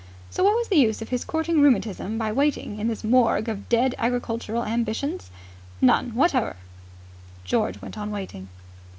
So what was the use of his courting rheumatism by waiting in this morgue of dead agricultural ambitions? None whatever George went on waiting.